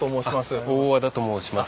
あっ大和田と申します。